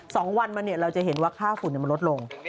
สองวันมาเราจะเห็นว่าข้าฝุ่นมันลดลง